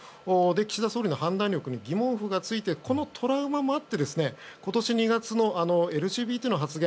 岸田総理の判断力に疑問符がついてこのトラウマもあって今年２月のＬＧＢＴの発言